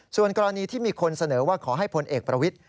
ส่วนกรณีที่มีคนเสนอว่าขอให้พลเอกประวิทธิ